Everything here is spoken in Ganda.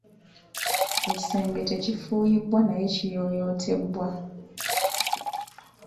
Ekisenge tekifuuyibwa naye kiyooyootebwa.